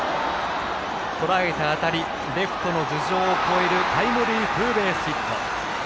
とらえた当たりレフトの頭上を越えるタイムリーツーベースヒット。